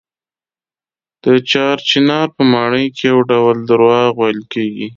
د چار چنار په ماڼۍ کې یو ډول درواغ ویل کېږي.